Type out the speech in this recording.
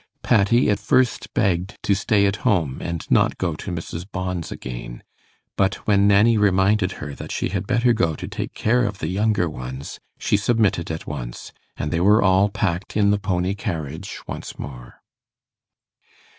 Patty at first begged to stay at home and not go to Mrs. Bond's again; but when Nanny reminded her that she had better go to take care of the younger ones, she submitted at once, and they were all packed in the pony carriage once more.